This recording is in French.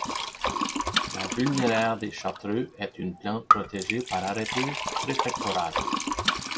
La vulnéraire des chartreux est une plante protégée par arrêté préfectoral.